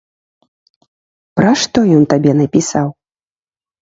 Пра што ён табе напісаў?